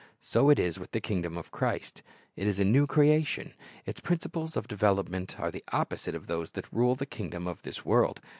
So it is with the kingdom of Christ. It is a new creation. Its principles of development are the opposite of those that rule the kingdoms of this world.